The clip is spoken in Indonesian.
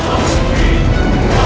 aku tak bisa